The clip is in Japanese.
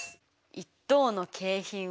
一等の景品は。